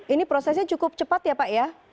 ini prosesnya cukup cepat ya pak ya